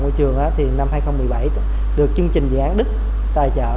ngôi trường thì năm hai nghìn một mươi bảy được chương trình dự án đức tài trợ